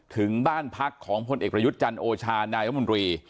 ถึงบ้านพักของพลเอกประยุทธ์จันทร์โอชานายรัฐมนตรี